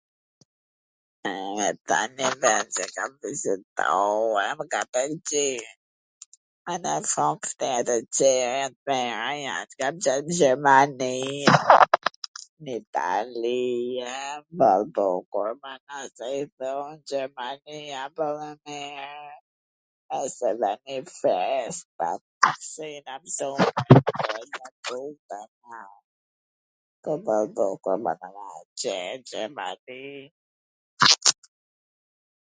E tani vet s e kam vizitu e m ka pwlqy. Edhe shum shtete tjera jan t mira, n Gjermani, n Itali, jo, mor bukur, se i thon, Gjermania apo Hollanda...